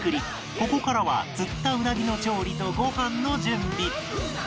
ここからは釣ったウナギの調理とご飯の準備